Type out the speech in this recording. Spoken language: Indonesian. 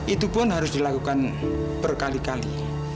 itu pun harus dilakukan berkali kali